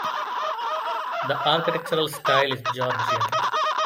The architectural style is Georgian.